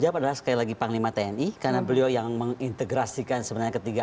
jawab adalah sekali lagi panglima tni karena beliau yang mengintegrasikan sebenarnya ketiga